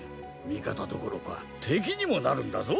みかたどころかてきにもなるんだぞ！